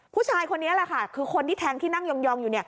ผู้ชายคนนี้แหละค่ะคือคนที่แทงที่นั่งยองอยู่